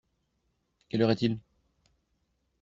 Quelle heure est-il?